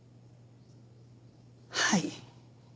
はい。